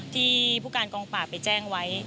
ที่ผู้การกองปราบไปแจ้งไว้